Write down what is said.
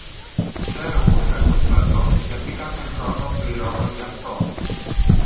Ξέρω πως έχω στρατό, γιατί κάθε χρόνο πληρώνω γι' αυτόν.